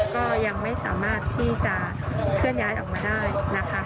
ก็ยังไม่สามารถที่จะเคลื่อนย้ายออกมาได้นะคะ